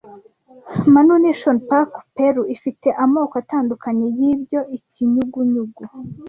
Manu National Park Peru ifite amoko atandukanye yibyo Ikinyugunyugu